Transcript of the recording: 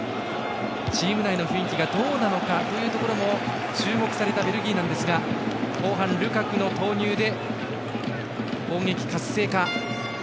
チーム内の雰囲気がどうなのかというところも注目されたベルギーなんですが後半、ルカクの投入で攻撃活性化。